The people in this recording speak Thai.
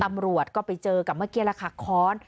ตำรวจก็ไปเจอกับเมื่อกี้แล้วค่ะค้อน